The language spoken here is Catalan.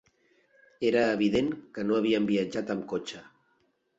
Era evident que no havien viatjat amb cotxe.